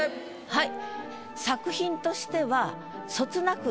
はい。